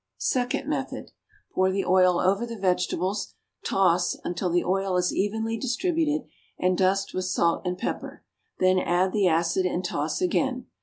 Second Method. Pour the oil over the vegetables, toss, until the oil is evenly distributed, and dust with salt and pepper; then add the acid and toss again.